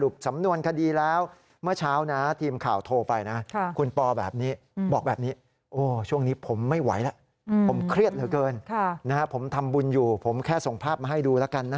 ผมทำบุญอยู่ผมแค่ส่งภาพมาให้ดูแล้วกันนะฮะ